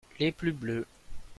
Les plus bleus.